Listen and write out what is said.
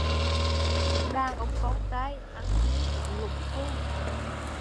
Đàn ông con trai ăn như thúng lũng khu